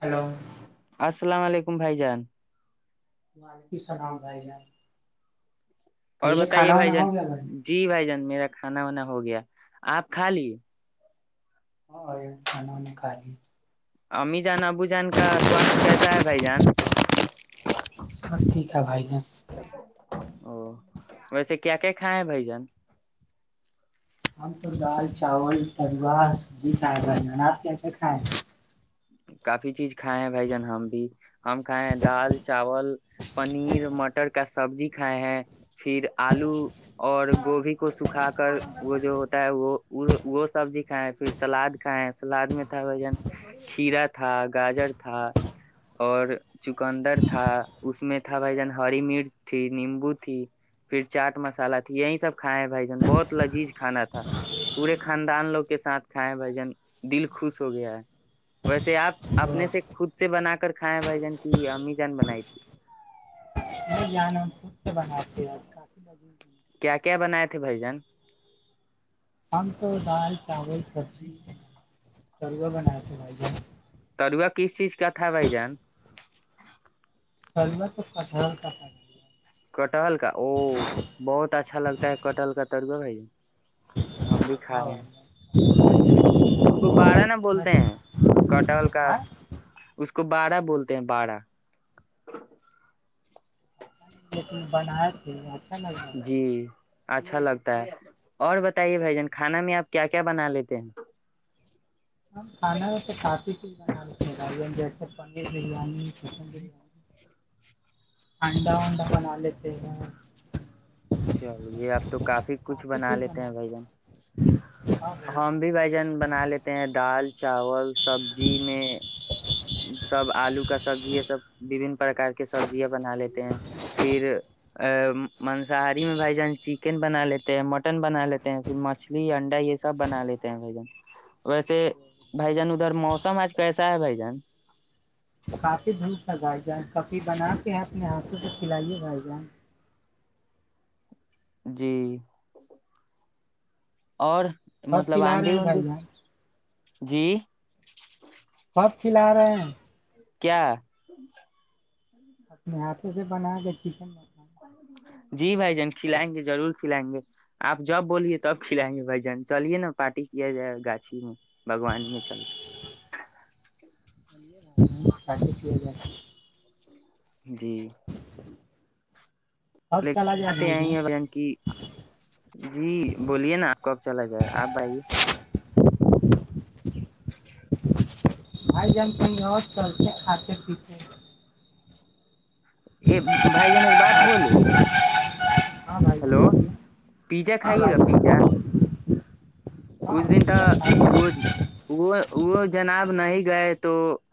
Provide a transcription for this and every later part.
Hello السلام علیکم بھائی جان وعلیکم اللام عھائی جان اور کہیے بتائیے کھانا وانا بھائی ہو جان گیا بھائی جی بھائی جان میرا کھانا وانا ہو گیا آپ کھا لی ہاں کھانناا خالی امی جان ابو جان کا سواستھ کیسا ہے بھائی جان ٹھیک ہے بھائی ج او ویسے کیا کیا کھائے ہیں بھائی جان ہم تو دال چاول تلوا سبزی کھائے گا نان آپ کیسے کھائےیں کافی چیز کھائے ہیں بھ جان ہم بھی ہم کھائے ہیں دال چاول پنیر مٹر کا سبزی کھائے ہیں پھر آلو اور گوبھی کو سکھا کر وہ جو ہوتا ہے وہ وہ سبزی کھائے ہیں پھر سلاد کھائے ہیں سلاد میں تھا بھ جن کھیر تھا گاجر تھا اور چکندر تھا اس میں تھا بھائی جان ہری مرچ تھی نیمبو تھی پھر چاٹ مسالہ تھی یہی سب کھائے بھائی جان بہت لذیذ کھانا تھا پورے خاندان لوگ کے ساتھ کھائے بھائی جن دل خوش ہو گیا ہے ویسے آپ اپنے سے خود سے بنا کر کر کھیں بھائی جان کی امی جان بنائی تھی نہیں جان ہم خود سے بناتے ہیں کافی لگ کیا کیا بناائے تھے بھائی جان ہم تو دال چاول سبزی سرو بنائے تھے بھائی تروا کس چیز کا تھا بھائی جان س میںہ تو پسان کاتا کٹہل کا او بہت اچھا لگتا ہے کٹہل کا ترو بھائی ہم بھی ہ م کھائے ہیں اس کو باڑا نہ بولتے ہیں کٹہل کا آ اس کو بارہ بولتے ہیں بارہ لیکن بنایا تھ جی اچھا لگتا ہے اور بتائیے بھائی جان کھانا میں آپ کیا کیا بنا لیتے ہیں [unintelligible] پنیر بریانی چکن بریانی [inaudible] [unintelligible] ا چلی یہ آپ تو کافی کچھ بنا لیتے ہیں بھائی جن ہیں۔ ہاں بھائی ہم بھی بائی جان بنا لیتے ہیں دال چاول سبزی میں سب آلو کا سبزی یہ سببن پرک کار کے سبزیاں بنا لیتے ہیں پھر ا مانساہاری میں بھ جان چکن بنا لیتے ہیں مٹن بنا لیتے ہیں پھر مچھلی انڈا یہ سب بنا لیتے ہیں بھائی جان ویسے بھائی جان ادھر موسم آج کیسا ہے بھائی ں کافی دھوپ تھا بائی جان کفھی بنااتے ہیں اپنے ہاتھوں کو کھلائیے بھائی جان جی اور کب مطلب کھلا رہے آندھی ہیں وندھی بھائی جان جی کلار کیا اپنے ہاتھوں سے بنا کے چکن بنائیے جی بھائی جان کھلائیں گے ضرور کھلائیں گے آپ جب بولیے تب کھلائیں گے بھ جان چلیے نا پارٹی کیا جائے گاچھی میں بگوان میں چلیے بھائی جان کافی [inaudible] جی اب چلا جائے آتے بھائی جان آئیےن کی جی بولیے نا آ کب چلا جائے آپ بئیے [inaudible] آائی جان کہ ہوت چلتے خاص پیھے ا بھائی جن ایک بات بوولے ہاں بھائی ہیلو جان پیزا ہاں کھائیے بھائی گا پیزا جان ہاں اس دن کا بھائی جان۔ وہ وہ وہ جناب نہیں گئے تو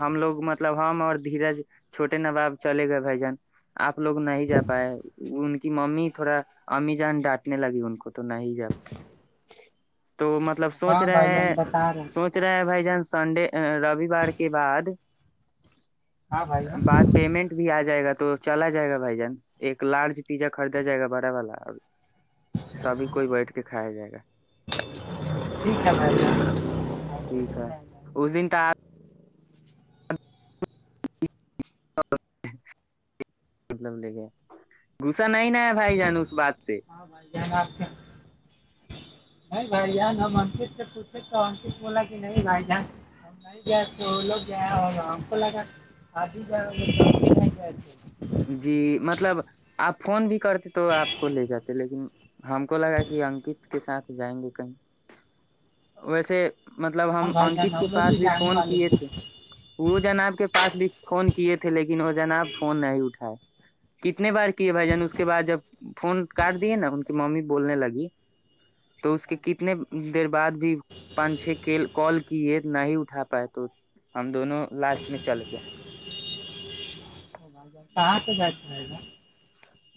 ہم لوگ مطلب ہم اور دھیرج چھوٹے نباب چلے گئے بھائی جان آپ لوگ نہیں جا پائے ان کی ممی تھوڑا امی جان ڈانٹنے لگی ان کو تو نہیں جا تو مطلب سوچ ہاں بھائی رہے جان ہیں بتا رہے ہیں سوچ رہے ہے بھائی جان سنڈے رووار کے بعد ہاں بھائی جان بعد پیمنٹ بھی آ جائے گا تو چلا جائے گا بھائی جان ایک لارج پیزا خریدا جائے گا بڑا والا اور سبھی کوئی بیٹھ کے کھایا جائے گا ٹھیک ہے بھائی جان ٹھیک ہے اس دن ت مطلب لے کے گغسا نہیں ن ہے بھائی جان اس بات سے ہاں بھائی جان آپتے نہیں بھائی جان ہم انکت سے پوچھے تو انکت بولا کہ نہیں بھائی جان ہم نہیں گئے تھے وہ لوگ گئے ہو ہم کو لگا آبھی گ نہیں گئے تھے جی مطلب آپ فون بھی کرتے تو آپ کو لے جاتے لیکن ہم کو لگا کہ انکت کے ساتھ جائیں گے کہیں ویسے مطلب ہاں ہم بھائی جان انکت کے ہم لوگ پاس بھی جانے فون والے کیے ہیں تھے وہ جناب کے پاس بھی فون کیے تھے لیکن وہ جانا اب فون نہیں اٹھ کتنے بار کیے بھائی جان اس کے بعد جب فون کاٹ دیے نا ان کی ممی بولنے لگی تو اس کے کتنے دیر بعد بھی پانچ چھ کال کیے نہ ہی اٹھا پائے تو ہم دونوں لاسٹ میں چلے گئے بھائی کہاں سے جچ رہے گا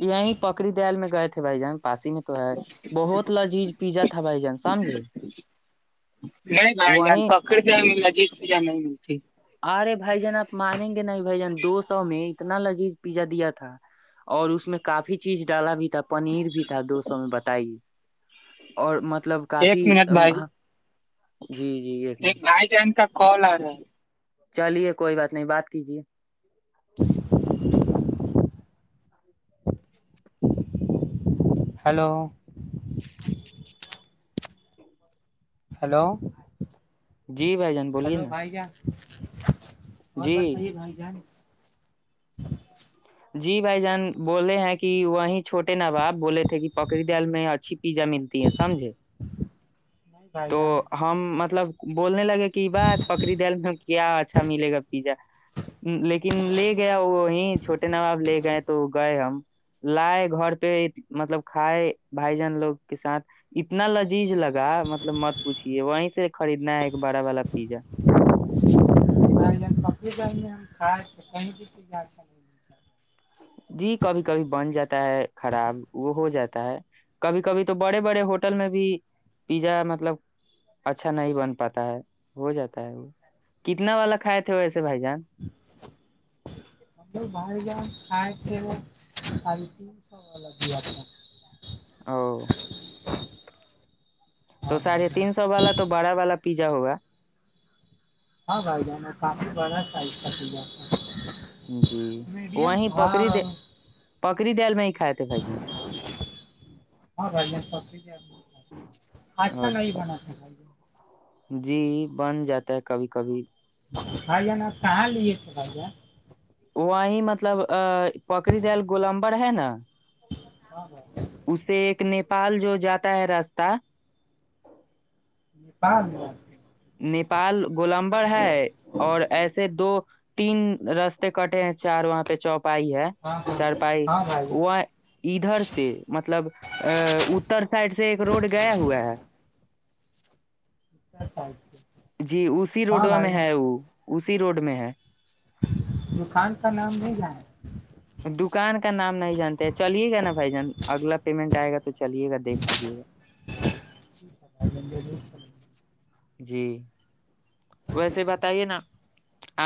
یہی پکری دل میں گئے تھے بھائی جان پاسی میں تو ہے بہت لذیذ پیزا تھا بھائی جان سمجھے نہیں بھائی جان وہیں پکڑ پ نزییک پ ج نہیں م جیھیک ارے بھائی جان آپ مانیں گے نہیں بھائی جان دو سو میں اتنا لذیذ پیزا دیا تھا اور اس میں کافی چیز ڈالا بھی تھا پنیر بھی تھا دو سو میں بتائیے اور م مطلب کافی ایک منٹ بھائی ہ جی جی ایک کوال آ رہا ہے چلیے کوئی بات نہیں بات کیجے بس [unintelligible] ہلو [unintelligible] ہلو جی بھائی جان بولیے ہلو نا بھائی جان اور جی بس صحیح ہے بھائی جان جی بھائی جان بولے ہیں کہ وہی چھوٹے ن باب بولے تھے کہ پکڑی دل میں اچھی پیزا ملتی ہے سمجھے نہیں بھائی تو جان ہم مطلب بولنے لگے کہ باہ پکری دل میں کیا اچھا ملے گا پیزا لیکن لے گیا وہ چھوٹے ن باب لے گئے تو گئے ہم لائے گھر پہ مطلب کھائے بھائی جان لوگ کے ساتھ اتنا لذیذ لگا مطلب مطلب مت پوچھیے وہیں سے خریدنا ہے ایک بڑا والا پیزا ہم کپڑے د ہم کھائے کہیں ک جی کبھی کبھی بن جاتا ہے خراب وہ ہو جاتا ہے کبھی کبھی تو بڑے بڑے ہوٹل میں بھی پیزا مطلب اچھا نہیں بن پاتا ہے ہو جاتا ہے وہ کتنا والا کھائے تھے وسے ہم بر جا کائے ساڑے تین سو والا بھییاا ا تو ہاں بھائی ساڑھے جان تین سو والا تو بڑا والا پیزا ہوگا ہاں بائی جان پپ والڑا سائ کا جاتا جی وہیں پکڑی د پکڑی دل میں ہی کھائے تھے بھائی ج ہاں بھائی جان پکڑی جائیں گے نہیں اچھا بنا تھا بھائی جان جی بن جات [unintelligible] کبھی کبھی آاں ج نا کہ تھ با وہیں مطلب ا پکڑری دل گوللمبر ہے نا [unintelligible] ہاں ہاں اسے ایک نیپال جو جاتا ہے راستہ نی پال ج نیپال گوللمبر ہے اور ایسے دو تین رستے کٹے ہیں چار وہاں پہ چوپ پائی ہے ہاں چارپائی ہاں بھائی جان وہ ادھر سے مطلب ا اتر سائڈ سے ایک روڈ گیا ہوا ہے اچھا سائز سے جی اسی ہاں روڈوا بھائی میں جان ہے وہ اسی روڈ میں ہے دکان کا نام بھی ج ہے دکان کا نام نہیں جانتے چلیے گا نا بھائی جان اگلا پیمنٹ آئے گا تو چلیے گا دیکھ لیجے گا جی ویسے بتائیے نا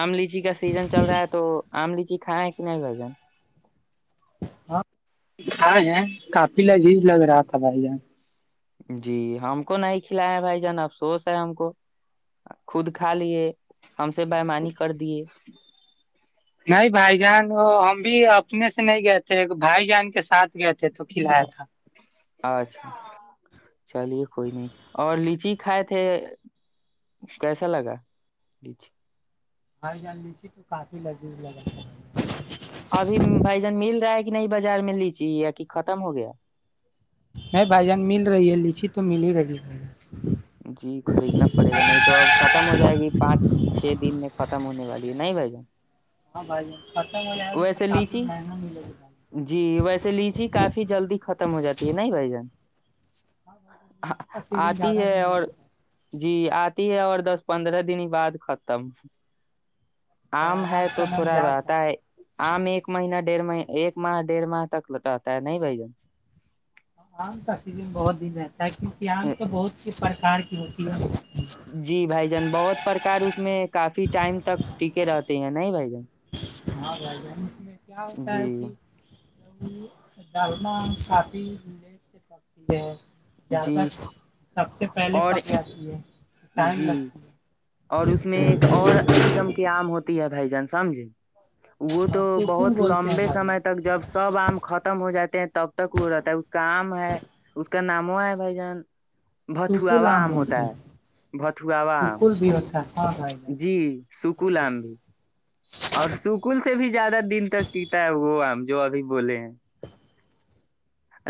آم لیچ جی کا سیزن چل رہا ہے تو ام لیچی کائےیں کہ نہیں گائی جان ہاں ہاں ہے کافی لذیذ لگ رہا تھا بھائی جان جی ہم کو نہیں کھلاائے بھائی جان افسوس ہے ہم کو خود کھا لیے ہم سے بمانی کر دیے نہیں بھائی جان وہ ہم بھی اپنے سے نہیں گئے تھے بھائی جان کے ساتھ گئے تھے تو کھلایا تھا اچھا ا تھے کیسا لگاچ ہائی جان لیچھی تو کافی لجور لگاا ابھی بھائی جن مل رہا ہے کہ نہیں بازار میں لیچی یا کہ ختم ہو گیا نہیں بھائی جان مل رہی ہے لیچی تو مل ہی رہی ہے جی خریدنا پڑے گا نہیں تو اب ختم ہو جائے گی پانچ چھ دن میں ختم ہونے والی ہے نہیں بھائی جان ہاں بھائی ختم ہو جائے گی تو ویسے کافی لیچی مہنگا ملے گی بھائی جان۔ جی ویسے لیچی کافی جلدی ختم ہو جاتی ہے نہیں بھائی جان اں ب دن آتی زیادہ بھی ہے نہیں اور جی آتی ہے اور دس پندرہ دن بعد ختم اور آم ہے کا تو نام تھوڑا جا سکتا رہتا ہے آم ایک مہین ڈیھ مہ ایک ماہ ڈیڑھ ماہ تک رہتا ہے نہیں بھ جن ہام تصری میں بہت دن ہے تاک کیاان تو بہت ہی سار کی روتی جی بھائی جان بہت پرکار اس میں کافی ٹائم تک ٹکے رہتے ہیں نہیں بھائی ج میں کیا ہوتا ہے کہ جی ڈرنا کافی لیٹ سے پکتی ہے زیادہ جی سب سے پہلے اور پک جاتی ہے ٹائم جی لگتی ہے اور اس میں ایک اور قسم کے آم ہوتی ہے بھائی جان سمجیں وہ تو اور سکول بہت بولتے ہیں لمبے بھائی سمے لوگ تک جب سب آم ختم ہو جاتا تب تک وہ رہتا ہے اس کا آم ہے اس کا نامو ہے بھائی جان بھتو سکول وا آم ہوتا بولتے ہیں ہے بھتوا وا آم سکول بھی ہوتا ہے ہاں بھائی جان جی سکو لام بھی اور سکل سے بھی زیادہ دن تک پیتا ہے وہم جو ابھی بولے ہیں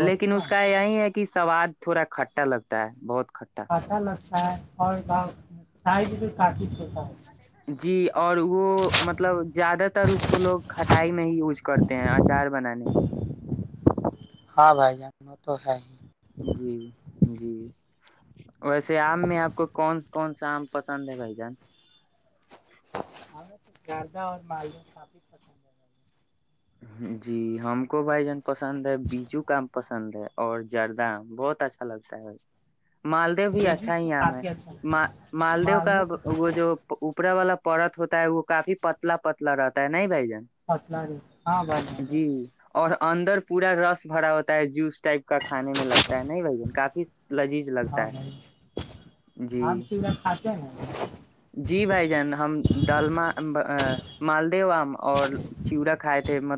لیکن اس کا یہی ہے کہ سواد تھوڑا کھٹا لگتا ہے بہت کھٹا ہاں چ الا اور تائی کاٹ چتا جی اور وہ مطلب زیادہ تر اس کو لوگ کھٹائی میں ہی یوز کرتے ہیں اچار بنانے میں ہاں بھائی جان وہ تو ہے ہی جی جی ویسے آم میں آپ کو کونا کون سا آم پسند ہے بھائی جان ہمیں تو زیادہ اور مالدہ کافی پسند ہے جی ہم کو بھائی جان پسند ہے بیجو کام پسند ہے اور جردام بہت اچھا لگتا ہے مالدو بھی بیجو اچھا تو ہی عم ہے کافی اچھا مالدو کا مالدہ تو وہ جو اوپرا والا پرت ہوتا ہے وہ کافی پتلا پتلا رہتا ہے نہیں بھائی جان پٹنااری ہاں بس جی اور اندر پورا رس بھرا ہوتا ہے جوس ٹپ کا کھانے میں لگتا ہے نہیں بھ ج کافی لذیذ ہاں لگتا ہے بھائی آم جی چیڑا کھاتے ہیں نا جی بھائی جان ہم ڈ مالد اور چورا کھ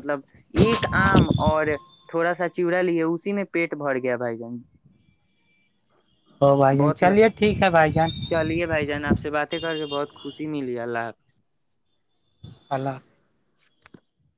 ب ایک آم اور تھوڑا سا چیڑا ل اسی میں پیٹ بھر گیا بھائی جان ا بھائی جان بہت ل... چلیے ٹھیک ہے بھائی جان چلیے بھائی جان آپ سے باتیں کر کے بہت خوشی ملی اللہ حافظ [unintelligible] پل [unintelligible]